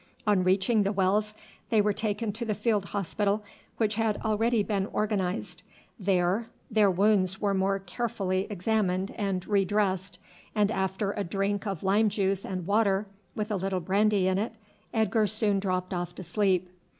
On reaching the wells they were taken to the field hospital, which had already been organized. There their wounds were more carefully examined and re dressed; and after a drink of lime juice and water, with a little brandy in it, Edgar soon dropped off to sleep.